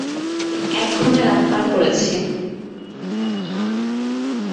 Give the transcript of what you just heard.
এক ঘুমে রাত পার করেছি।